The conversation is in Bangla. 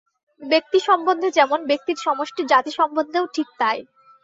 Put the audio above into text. ব্যক্তি সম্বন্ধে যেমন, ব্যক্তির সমষ্টি জাতি সম্বন্ধেও ঠিক তাই।